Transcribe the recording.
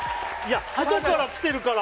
外から来てるから。